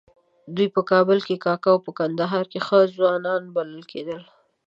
دوی په کابل کې کاکه او په کندهار کې ښه ځوان بلل کېدل.